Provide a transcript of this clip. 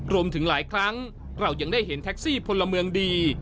รวมถึงหลายครั้งเรายังได้เห็นแท็กซี่พลเมืองดี